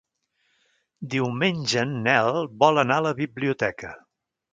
Diumenge en Nel vol anar a la biblioteca.